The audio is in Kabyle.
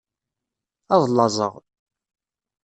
Ad llaẓeɣ.